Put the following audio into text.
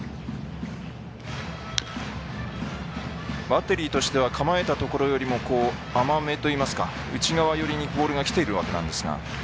バッテリーとしては構えたところよりも甘めといいますか内側寄りにボールがきている感じですが。